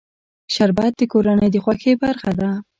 شربت د کورنۍ د خوښۍ برخه ده